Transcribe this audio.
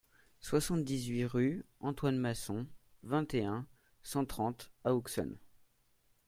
soixante-dix-huit rue Antoine Masson, vingt et un, cent trente à Auxonne